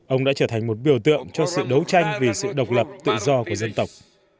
ông đã trở thành một biểu tượng cho sự đấu tranh vì sự độc lập tự do của dân tộc